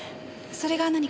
それが何か？